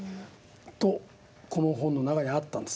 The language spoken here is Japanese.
とこの本の中にあったんです。